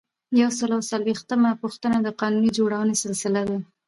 یو سل او څلویښتمه پوښتنه د قانون جوړونې سلسلې دي.